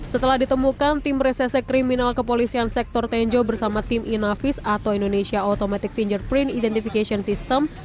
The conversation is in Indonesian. setelah ditemukan tim resese kriminal kepolisian sektor tenjo bersama tim inavis atau indonesia automatic finger print identification system